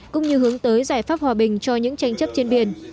cũng như hướng tới giải pháp hòa bình cho những tranh chấp trên biển